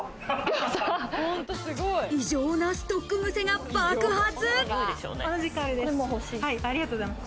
異常なストックグセが爆発。